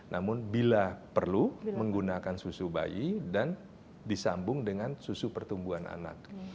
namun bila perlu menggunakan susu bayi dan disambung dengan susu pertumbuhan anak